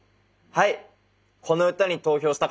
はい！